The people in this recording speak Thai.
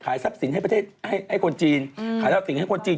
ขายทรัพย์สินให้คนจีนขายทรัพย์สินให้คนจีน